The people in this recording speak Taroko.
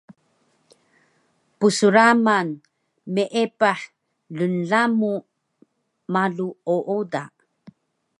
psramal meepah lnlamu malu ooda